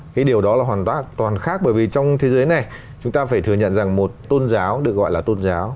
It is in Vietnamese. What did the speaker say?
cái điều đó là hoàn tác toàn khác bởi vì trong thế giới này chúng ta phải thừa nhận rằng một tôn giáo được gọi là tôn giáo